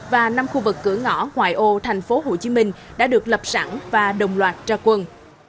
và năm khu vực cửa ngõ ngoài ô tp hcm đã được lập sẵn và đồng loạt ra quân